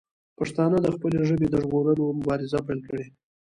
پښتانه دې د خپلې ژبې د ژغورلو مبارزه پیل کړي.